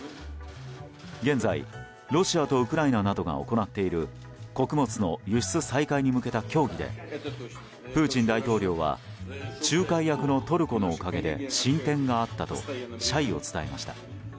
現在、ロシアとウクライナなどが行っている穀物の輸出再開に向けた協議でプーチン大統領は仲介役のトルコのおかげで進展があったと謝意を伝えました。